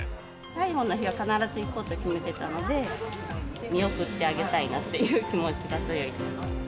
最後の日は必ず行こうと決めてたので、見送ってあげたいなっていう気持ちが強いです。